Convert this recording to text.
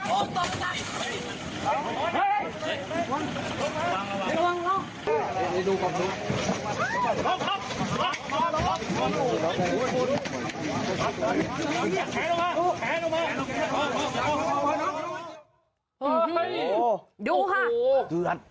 โอ้โหดูค่ะ